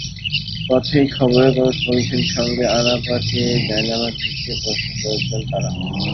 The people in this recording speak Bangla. পথেই খবরের কাগজ, পলিথিন, সঙ্গে আনা পাটি, জায়নামাজ বিছিয়ে বসে পড়েছিলেন তাঁরা।